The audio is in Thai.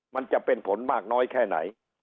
มันจะเป็นผลมากน้อยแค่ไหน